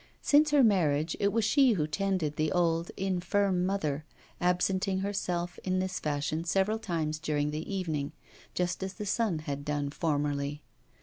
Since her marriage it was she who tended the old, infirm mother, absenting herself in this fashion several times during the evening, just as the son had done formerly.